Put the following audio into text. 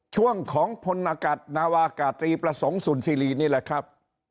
ช่วงของพลนากัดนาวากาตรีประสงค์สุนซีรีนี่แหละครับ